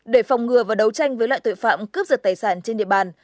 để phòng ngừa và đấu tranh với loại tội phạm cướp giật tài sản trên địa bàn